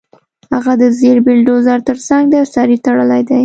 هغه د زېړ بلډیزور ترڅنګ دی او سر یې تړلی دی